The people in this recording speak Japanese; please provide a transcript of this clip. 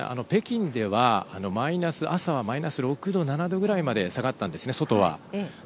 北京では朝はマイナス６度から７度ぐらいまで下がったんですね、外は。